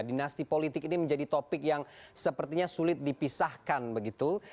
dinasti politik ini menjadi topik yang sepertinya sulit dipisahkan begitu